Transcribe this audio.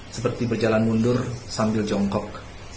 seperti berjalan mundur sambil jongkok